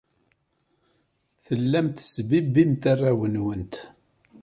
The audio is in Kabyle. Tellamt tettbibbimt arraw-nwent.